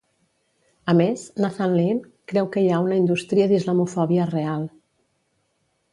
A més, Nathan Lean creu que hi ha una indústria d'islamofòbia real.